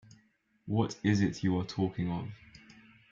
What is it you are talking of?